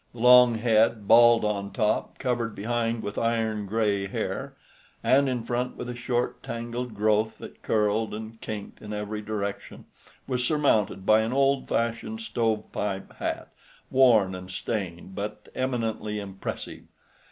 The long head, bald on top, covered behind with iron gray hair, and in front with a short tangled growth that curled and kinked in every direction, was surmounted by an old fashioned stove pipe hat, worn and stained, but eminently impressive.